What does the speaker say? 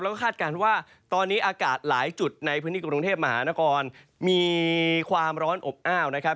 แล้วก็คาดการณ์ว่าตอนนี้อากาศหลายจุดในพื้นที่กรุงเทพมหานครมีความร้อนอบอ้าวนะครับ